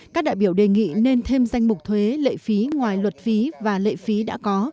các đại biểu đề nghị nên thêm danh mục thuế lệ phí ngoài luật phí và lệ phí đã có